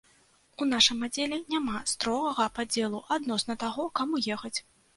У нашым аддзеле няма строгага падзелу адносна таго, каму ехаць.